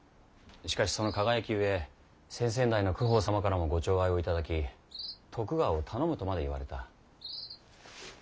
しかしその輝きゆえ先々代の公方様からもご寵愛を頂き「徳川を頼む」とまで言われた。